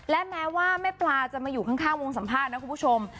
และแม้ว่าแม่ปลาจะมาอยู่ข้างวงสัมภาษณ์นะคุณผู้ชม